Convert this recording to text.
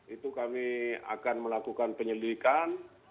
itu kami akan melakukan penyelidikan